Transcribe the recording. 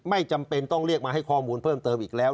ไม่จำเป็นต้องเรียกมาให้ข้อมูลเพิ่มเติมอีกแล้ว